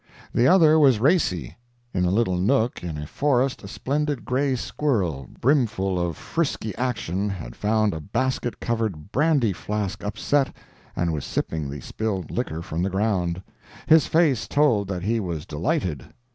The other was racy. In a little nook in a forest, a splendid gray squirrel, brimful of frisky action, had found a basket covered brandy flask upset, and was sipping the spilled liquor from the ground. His face told that he was delighted.